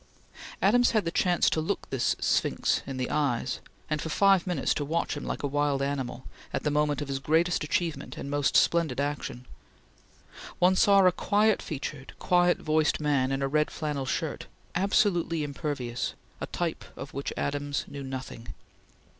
Adams had the chance to look this sphinx in the eyes, and, for five minutes, to watch him like a wild animal, at the moment of his greatest achievement and most splendid action. One saw a quiet featured, quiet voiced man in a red flannel shirt; absolutely impervious; a type of which Adams knew nothing.